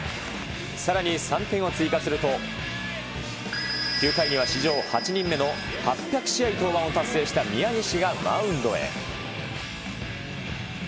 さらに３点を追加すると、９回には史上８人目の８００試合登板を達成した宮西がマウンドへ。